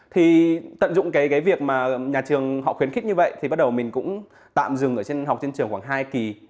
thì tận dụng cái việc mà nhà trường họ khuyến khích như vậy thì bắt đầu mình cũng tạm dừng ở trên học trên trường khoảng hai kỳ